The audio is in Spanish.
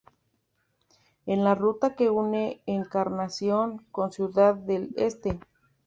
Es la ruta que une Encarnación con Ciudad del Este.